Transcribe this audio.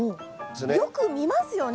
よく見ますよね。